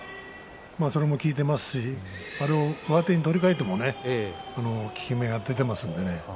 それも効いていますしそれを上手に取り替えても効き目が出ていますからね。